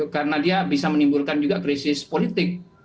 karena dia bisa menimbulkan juga krisis politik